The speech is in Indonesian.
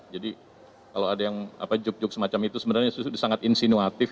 jadi kalau ada yang juk juk semacam itu sebenarnya itu sangat insinuatif